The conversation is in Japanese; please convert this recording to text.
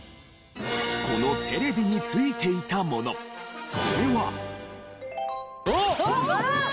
このテレビに付いていたものそれは。